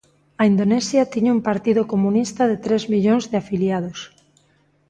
A Indonesia tiña un parido comunista de tres millóns de afiliados.